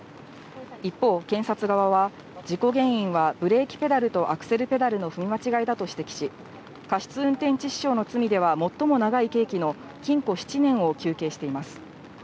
一方、検察側は事故原因はブレーキペダルとアクセルペダルの踏み間違いだと指摘し、過失運転致死傷の罪では最も長い刑期の禁錮７年を求刑しています。